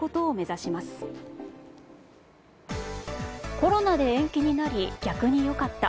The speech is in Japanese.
コロナで延期になり逆に良かった。